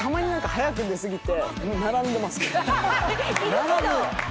並ぶ⁉